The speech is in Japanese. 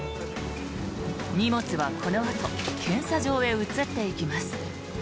荷物はこのあと検査場へ移っていきます。